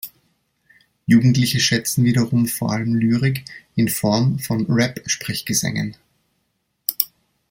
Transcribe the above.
Jugendliche schätzen wiederum vor allem Lyrik in Form von Rap-Sprechgesängen.